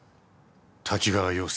多岐川洋介。